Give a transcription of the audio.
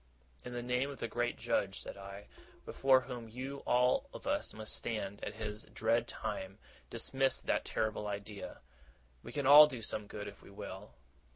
'In the name of the great judge,' said I, 'before whom you and all of us must stand at His dread time, dismiss that terrible idea! We can all do some good, if we will.